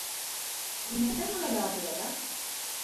Neden hala burada?